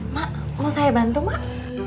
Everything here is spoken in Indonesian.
mak mau saya bantu mak